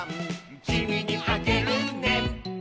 「きみにあげるね」